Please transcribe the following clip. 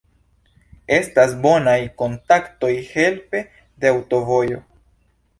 Estas bonaj kontaktoj helpe de aŭtovojo.